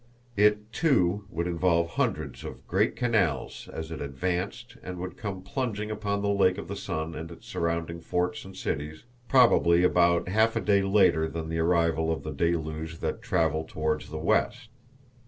It, too, would involve hundreds of great canals as it advanced and would come plunging upon the Lake of the Sun and its surrounding forts and cities, probably about half a day later than the arrival of the deluge that travelled towards the west.